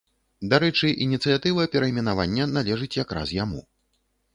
Дарэчы, ініцыятыва перайменавання належыць якраз яму.